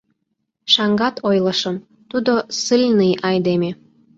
Шаҥгат ойлышым, тудо ссыльный айдеме.